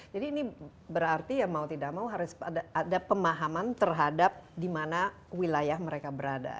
jadi ini berarti mau tidak mau harus ada pemahaman terhadap dimana wilayah mereka berada